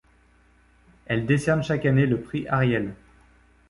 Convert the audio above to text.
Elle décerne chaque année le prix Ariel.